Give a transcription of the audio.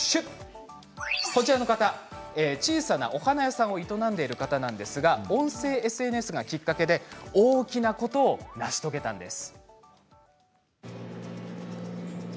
こちらの方は小さなお花屋さんを営んでいる方なんですが音声ＳＮＳがきっかけで大きなことを成し遂げたんです。